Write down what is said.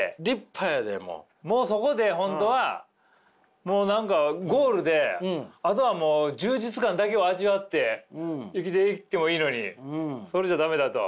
もうそこで本当はもう何かゴールであとはもう充実感だけを味わって生きていってもいいのにそれじゃ駄目だと。